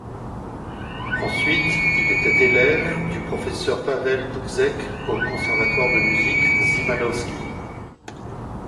Ensuite, il était élève du professeur Paweł Puczek au Conservatoire de Musique Szymanowski.